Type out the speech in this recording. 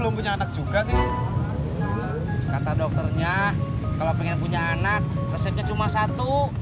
belum punya anak juga kata dokternya kalau pengen punya anak resepnya cuma satu